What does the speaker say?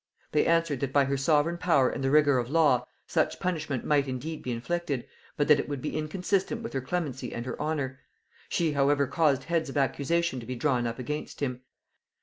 They answered, that by her sovereign power and the rigor of law, such punishment might indeed be inflicted, but that it would be inconsistent with her clemency and her honor; she however caused heads of accusation to be drawn up against him.